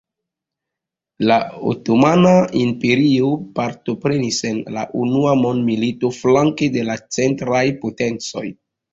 La Otomana Imperio partoprenis en la Unua Mondmilito flanke de la Centraj potencoj.